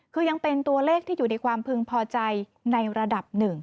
คือยังเป็นตัวเลขที่อยู่ในความพึงพอใจในระดับหนึ่ง